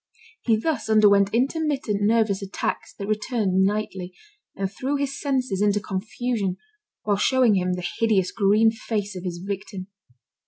He thus underwent intermittent nervous attacks that returned nightly, and threw his senses into confusion while showing him the hideous green face of his victim.